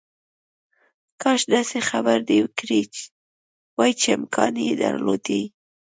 کاش داسې خبره دې کړې وای چې امکان یې درلودای